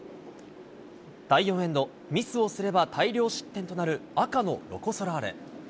第４エンド、ミスをすれば大量失点となる赤のロコ・ソラーレ。